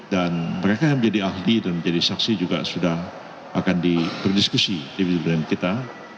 dan mereka yang menjadi ahli dan menjadi saksi juga sudah akan diberdiskusi di bidang kita